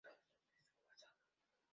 Todos están desguazados.